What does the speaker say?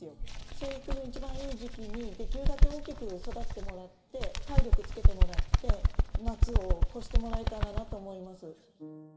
生育の一番いい時期にできるだけ大きく育ってもらって体力つけてもらって夏を越してもらえたらなと思います。